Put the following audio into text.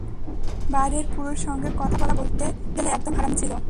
বাইরের পুরুষ মানুষের সঙ্গে কথা বলা বলতে গেলে একদম হারাম ছিল।